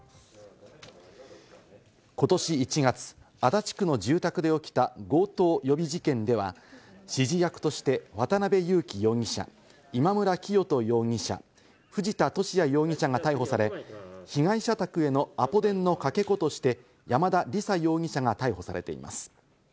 ことし１月、足立区の住宅で起きた強盗予備事件では、指示役として渡辺優樹容疑者、今村磨人容疑者、藤田聖也容疑者が逮捕され、被害者宅へのアポ電のかけ子として山田李沙容疑者が逮捕されています。